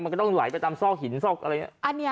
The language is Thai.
มันก็ต้องไหลไปตามซอกหินซอกอะไรอย่างนี้